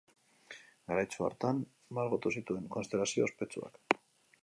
Garaitsu hartan margotu zituen Konstelazio ospetsuak.